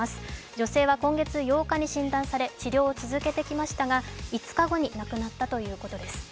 女性は今月８日に診断され治療を続けてきましたが、５日後に亡くなったそうです。